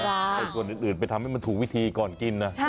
แต่ส่วนอื่นไปทำให้มันถูกวิธีก่อนกินนะ